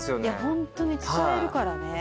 ホントに使えるからね。